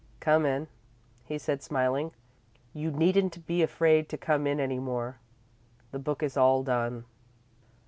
"Come in," he said, smiling. "You needn't be afraid to come in any more. The book is all done."